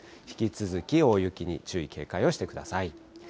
引き続き大雪に注意、警戒をしてください。